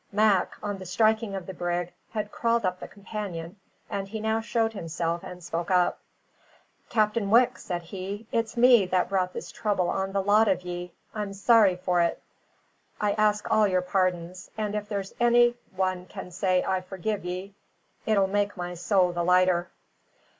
Mac, on the striking of the brig, had crawled up the companion, and he now showed himself and spoke up. "Captain Wicks," said he, "it's me that brought this trouble on the lot of ye. I'm sorry for ut, I ask all your pardons, and if there's any one can say 'I forgive ye,' it'll make my soul the lighter."